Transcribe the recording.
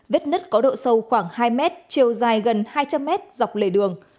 vết nứt có độ sâu khoảng hai mét chiều dài gần hai trăm linh mét dọc lề đường